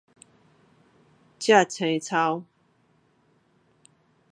食腥臊